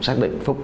xác định phúc